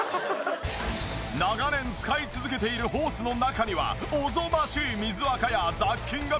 長年使い続けているホースの中にはおぞましい水垢や雑菌がびっしり！